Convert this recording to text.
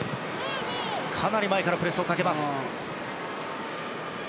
かなり前からプレッシャーをかけます。